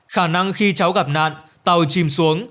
khả năng khi cháu gặp nạn tàu chìm xuống